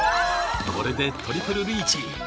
これでトリプルリーチ！